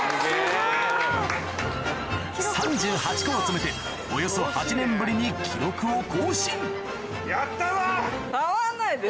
３８個を詰めておよそ８年ぶりに記録を更新